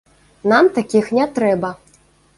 Нам такіх не трэба.